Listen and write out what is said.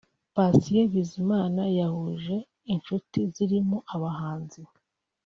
Patient Bizimana yahuje inshuti zirimo abahanzi